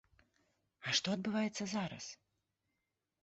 А што адбываецца зараз?